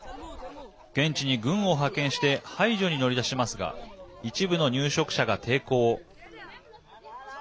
現地に軍を派遣して排除に乗り出しますが一部の入植者が抵抗。